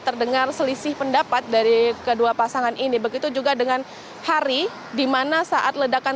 terdengar selisih pendapat dari kedua pasangan ini begitu juga dengan hari dimana saat ledakan